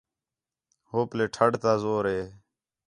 ہو پَلّے ٹھݙ تا زور ہِے